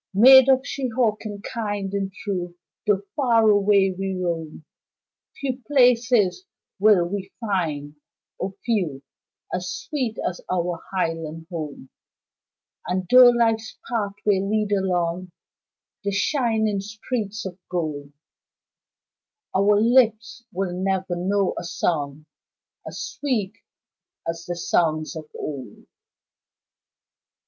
Maid of Shehawken, kind and true, Tho' far away we roam, Few places will we find, O few As sweet as our highland home, And tho' Life's pathway lead along The shining streets of gold, Our lips will never know a song As sweet as the songs of old.